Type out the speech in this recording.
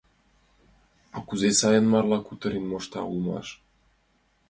— А кузе сайын марла кутырен мошта улмаш!